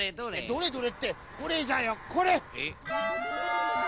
どれどれってこれじゃよこれ。